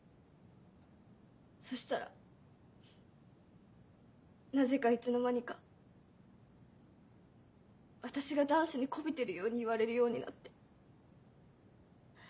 そしたらなぜかいつの間にか私が男子に媚びてるように言われるようになって。